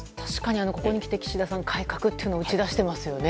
ここにきて岸田さんは改革を打ち出していますね。